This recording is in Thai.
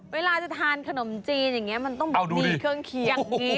เวลาจะทานขนมจีนอย่างนี้มันต้องมีเครื่องเคียงอย่างนี้